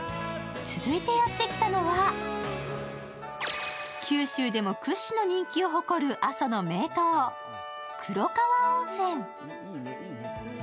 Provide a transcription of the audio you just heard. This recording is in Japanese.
続いてやってきたのは、九州でも屈指の人気を誇る阿蘇の名湯・黒川温泉。